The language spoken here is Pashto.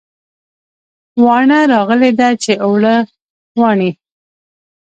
واڼه راغلې ده چې اوړه واڼي